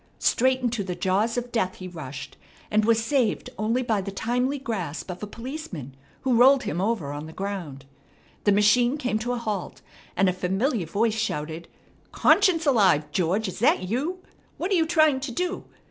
Straight into the jaws of death he rushed, and was saved only by the timely grasp of a policeman, who rolled him over on the ground. The machine came to a halt, and a familiar voice shouted: "Conscience alive, George, is that you? What are you trying to do?